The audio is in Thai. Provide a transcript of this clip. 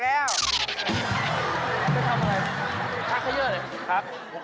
พักเข้าเยอะเลย